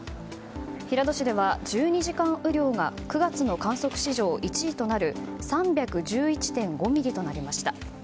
平戸市では１２時間雨量が９月の観測史上１位となる３１１．５ミリとなりました。